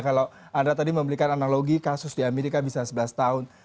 kalau anda tadi memberikan analogi kasus di amerika bisa sebelas tahun